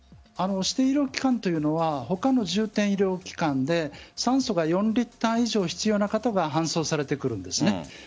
指定医療機関というのは他の重点医療機関で、酸素が４リッター以上必要な方が搬送されてくるんです。